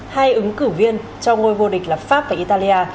hai ứng cử viên cho ngôi vô địch là pháp và italia